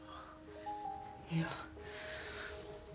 いや。